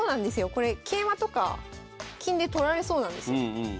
これ桂馬とか金で取られそうなんですよ。